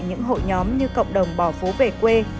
những hội nhóm như cộng đồng bỏ phố về quê